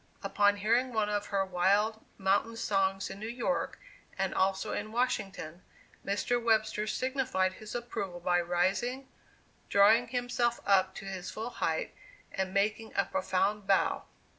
Upon hearing one of her wild mountain songs in New York, and also in Washington, Mr. Webster signified his approval by rising, drawing himself up to his full height, and making a profound bow.